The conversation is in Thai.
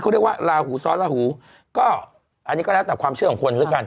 เขาเรียกว่าลาหูซ้อนลาหูก็อันนี้ก็แล้วแต่ความเชื่อของคนแล้วกัน